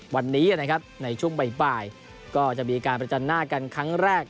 วันนี้นะครับในช่วงบ่ายก็จะมีการประจันหน้ากันครั้งแรก